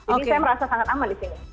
jadi saya merasa sangat aman disini